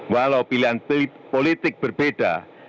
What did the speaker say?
walau pilihan politik berbeda